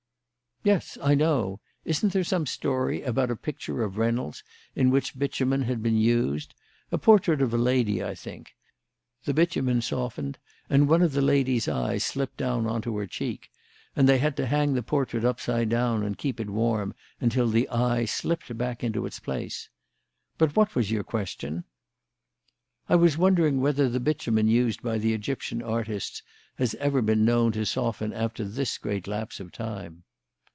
"Yes, I know. Isn't there some story about a picture of Reynolds' in which bitumen had been used? A portrait of a lady, I think. The bitumen softened, and one of the lady's eyes slipped down on to her cheek; and they had to hang the portrait upside down and keep it warm until the eye slipped back into its place. But what was your question?" "I was wondering whether the bitumen used by the Egyptian artists has ever been known to soften after this great lapse of time."